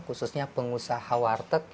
khususnya pengusaha warteg